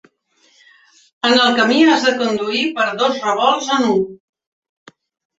En el camí has de conduir per dos revolts en U.